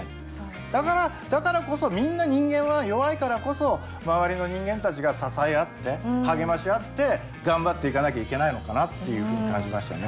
だからだからこそみんな人間は弱いからこそ周りの人間たちが支え合って励まし合って頑張っていかなきゃいけないのかなっていうふうに感じましたね。